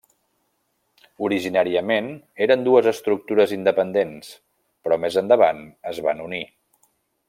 Originàriament eren dues estructures independents, però més endavant es va unir.